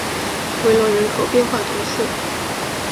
韦罗人口变化图示